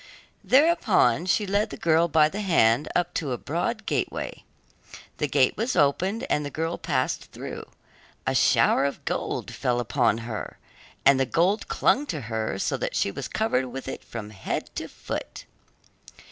Thereupon she led the girl by the hand up to a broad gateway. The gate was opened, and as the girl passed through, a shower of gold fell upon her, and the gold clung to her, so that she was covered with it from head to foot.